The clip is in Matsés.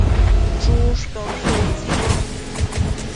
Chushcaushi utsibo